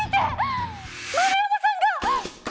円山さんが。